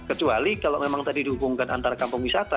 kecuali kalau memang tadi dihubungkan antara kampung wisata